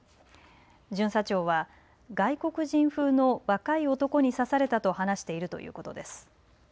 巡査長は外国人風の若い男に刺されたあと話しているということです。